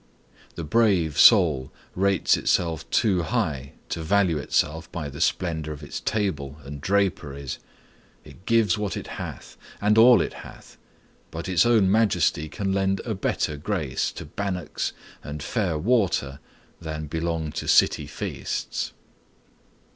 The brave soul rates itself too high to value itself by the splendor of its table and draperies. It gives what it hath, and all it hath, but its own majesty can lend a better grace to bannocks and fair water than belong to city feasts.